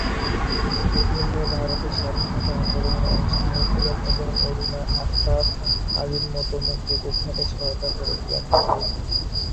তিনি ভারতের স্বাধীনতা আন্দোলনে অংশ নিয়েছিলেন, এবং অরুণা আসফ আলীর মতো মুক্তিযোদ্ধাদের সহায়তা করেছিলেন।